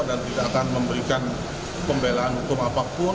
dan tidak akan memberikan pembelaan hukum apapun